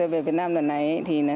về việt nam lần này